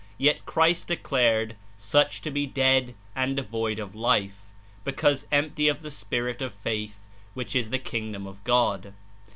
Yet Christ declared such to be dead and devoid of life, because empty of the Spirit of Faith which is the Kingdom of God.